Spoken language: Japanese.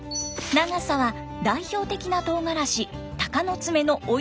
長さは代表的なとうがらし鷹の爪のおよそ２倍。